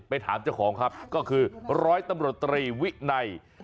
ถามเจ้าของครับก็คือร้อยตำรวจตรีวินัย